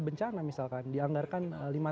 bencana misalkan dianggarkan lima